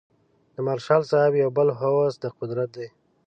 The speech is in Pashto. د مارشال صاحب یو بل هوس د قدرت دی.